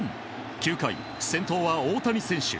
９回、先頭は大谷選手。